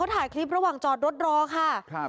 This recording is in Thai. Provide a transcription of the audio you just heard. ถ่ายคลิประหว่างจอดรถรอค่ะ